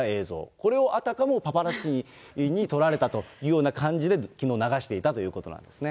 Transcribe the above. これを、あたかもパパラッチに撮られたというような感じで、きのう、流していたということなんですね。